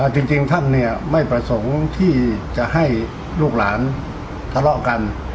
จริงท่านเนี่ยไม่ประสงค์ที่จะให้ลูกหลานทะเลาะกัน